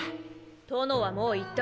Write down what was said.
殿はもう行った。